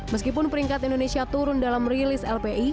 meskipun peringkat indonesia turun dalam rilis lpi